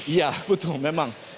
ya betul memang